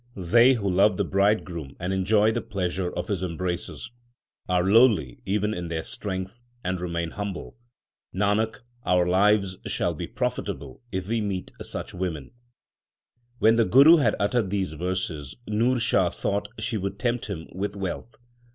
They who love the Bridegroom and enjoy the pleasure of His embraces, Are lowly even in their strength, and remain humble. Nanak, our lives shall be profitable if we meet such women. 3 When the Guru had uttered these verses, Nurshah thought she would tempt him with wealth.